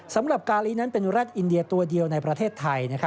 สำหรับกาลีนั้นเป็นรัฐอินเดียตัวเดียวในประเทศไทย